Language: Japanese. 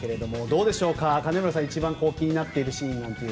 どうでしょうか、金村さんが一番気になっているシーンは。